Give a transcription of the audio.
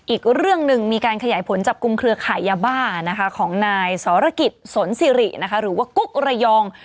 อีกเรื่องหนึ่งมีการขยายผลจับกลุ่มเครือขายยาบ้านะคะของนายสรกิจสนสิริหรือว่ากุ๊กระยอง